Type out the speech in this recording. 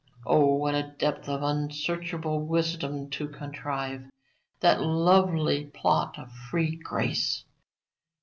O what a depth of unsearchable wisdom to contrive that lovely plot of free grace.